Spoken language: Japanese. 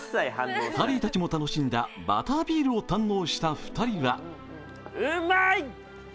ハリーたちも楽しんだバタービールを堪能した２人はうまい！